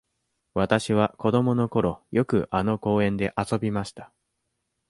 わたしは子どものころ、よくあの公園で遊びました。